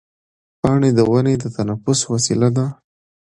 پاڼې د ونې د تنفس وسیله ده.